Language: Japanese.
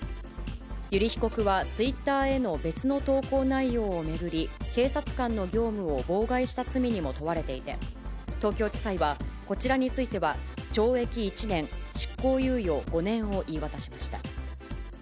油利被告はツイッターへの別の投稿内容を巡り、警察官の業務を妨害した罪にも問われていて、東京地裁は、こちらについては懲役１年執行猶予５年を言い渡しました。